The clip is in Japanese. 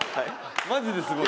マジですごい。